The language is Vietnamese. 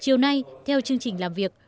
chiều nay theo chương trình làm việc